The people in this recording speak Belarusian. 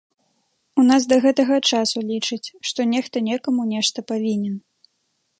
У нас да гэтага часу лічаць, што нехта некаму нешта павінен.